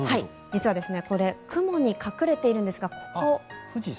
実はこれ雲に隠れているんですがここ。